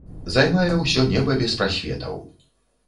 Займае ўсё неба без прасветаў.